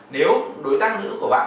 nếu đối tác nữ của bạn